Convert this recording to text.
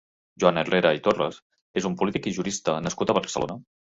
Joan Herrera i Torres és un polític i jurista nascut a Barcelona.